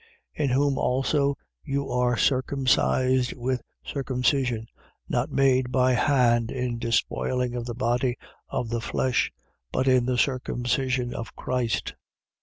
2:11. In whom also you are circumcised with circumcision not made by hand in despoiling of the body of the flesh: but in the circumcision of Christ.